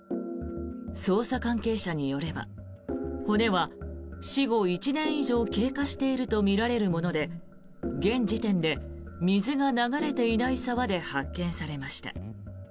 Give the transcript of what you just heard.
捜査関係者によれば骨は死後１年以上経過しているとみられるもので現時点で水が流れていない沢で発見されました。